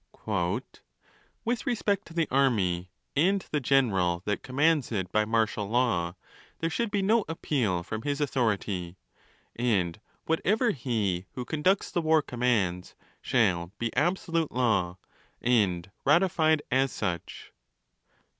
" With respect to the army, and the general that commands it by martial law, there should be no appeal from his au thority. And whatever he who conducts the war commands, shall be absolute law, and ratified as such.